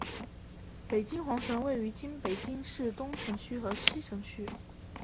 北京皇城位于今北京市东城区和西城区。